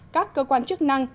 các cơ quan chức năng